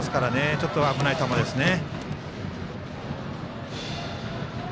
ちょっと危ない球ですね。